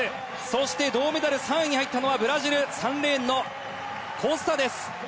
そして、銅メダル３位に入ったのはブラジル３レーンのコスタです。